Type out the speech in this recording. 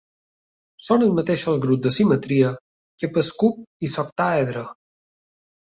Són els mateixos grups de simetria que pel cub i l'octàedre.